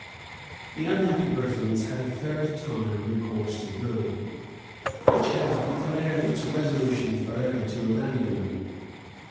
] The unhappy Britons had a third time recourse to Rome, which had declared its resolution forever to abandon them.